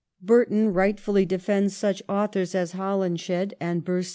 Burton rightfully defends such authors as Holinshed and Boece